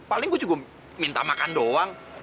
paling gue juga minta makan doang